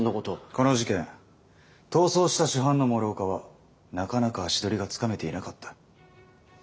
この事件逃走した主犯の諸岡はなかなか足取りがつかめていなかった。